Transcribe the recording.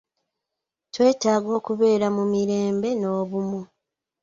Twetaaga okubeera mu mirembe n'obumu..